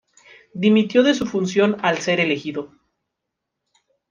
Dimitió de su función al ser elegido.